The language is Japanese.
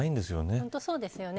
本当にそうですよね。